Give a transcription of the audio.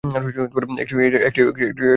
একটি নিউক্লিয়ক্ষার।